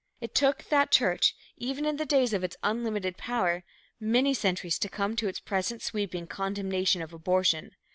It took that church, even in the days of its unlimited power, many centuries to come to its present sweeping condemnation of abortion.